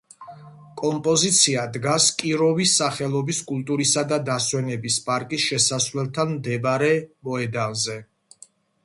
კომპოზიცია დგას კიროვის სახელობის კულტურისა და დასვენების პარკის შესასვლელთან მდებარე მოედანზე.